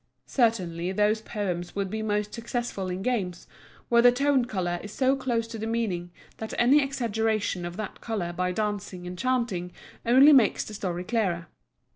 Certainly those poems would be most successful in games, where the tone color is so close to the meaning that any exaggeration of that color by dancing and chanting only makes the story clearer.